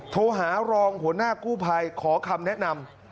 โทรหารองหัวหน้ากู้ภัยขอคำแนะนำ